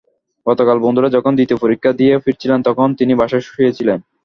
গতকাল বন্ধুরা যখন দ্বিতীয় পরীক্ষা দিয়ে ফিরছিলেন, তখন তিনি বাসায় শুয়েছিলেন।